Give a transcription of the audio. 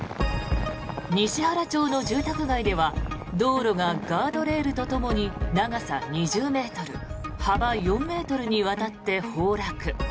西原町の住宅街では道路がガードレールとともに長さ２０ｍ、幅４ｍにわたって崩落。